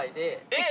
えっ？